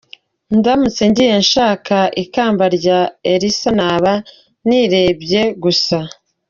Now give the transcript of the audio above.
Ndamutse ngiye nshaka ikamba nka Elsa naba nirebye gusa.